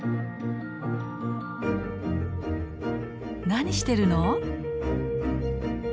何してるの？